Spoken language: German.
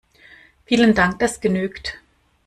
Vielen Dank, das genügt.